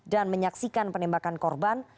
dan menyaksikan penembakan korban